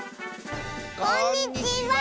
こんにちは！